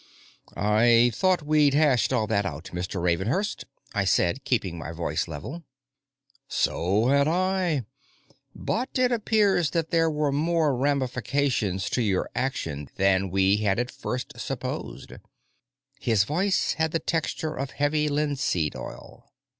"I thought we'd hashed all that out, Mr. Ravenhurst," I said, keeping my voice level. "So had I. But it appears that there were more ramifications to your action than we had at first supposed." His voice had the texture of heavy linseed oil.